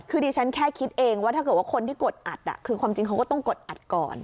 คือดิฉันแค่คิดเองว่าถ้าเกิดว่าคนที่กดอัดคือความจริงเขาก็ต้องกดอัดก่อน